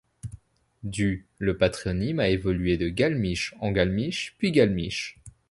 Du le patronyme a évolué de Gallemiche en Galemiche puis Galmiche.